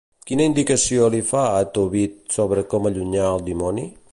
Quina indicació li fa a Tobit sobre com allunyar el dimoni?